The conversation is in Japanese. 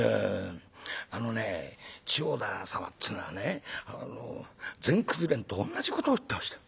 「あのね千代田様っつうのはねあの全くず連とおんなじことを言ってました。